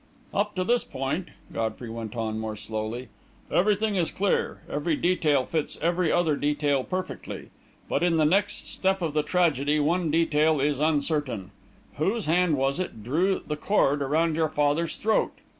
"Up to this point," Godfrey went on, more slowly, "everything is clear every detail fits every other detail perfectly. But, in the next step of the tragedy, one detail is uncertain whose hand was it drew the cord around your father's throat?